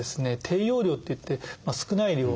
低用量っていって少ない量。